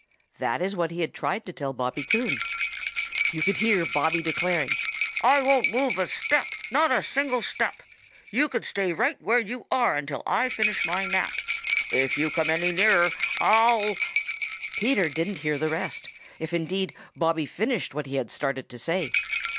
That is what he had tried to tell Bobby Coon. He could hear Bobby declaring: "I won't move a step, not a single step. You can stay right where you are until I finish my nap. If you come any nearer, I'll " Peter didn't hear the rest, if indeed Bobby finished what he had started to say.